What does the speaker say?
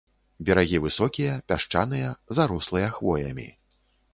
Берагі высокія, пясчаныя, зарослыя хвоямі.